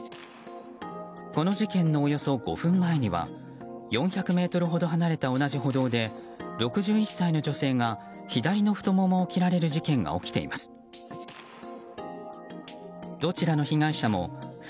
この事件のおよそ５分前には４００ｍほど離れた同じ歩道で６１歳の女性が左の太ももを切られる事件が起きています。